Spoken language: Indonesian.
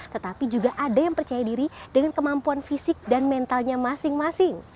tetapi juga ada yang percaya diri dengan kemampuan fisik dan mentalnya masing masing